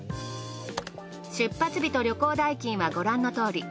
出発日と旅行代金はご覧のとおり。